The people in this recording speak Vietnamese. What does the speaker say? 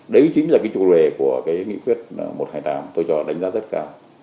đấy chính là cái chủ đề của cái nghị quyết một trăm hai mươi tám tôi cho đánh giá rất cao